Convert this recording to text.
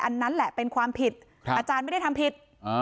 อันนั้นแหละเป็นความผิดอาจารย์ไม่ได้ทำผิด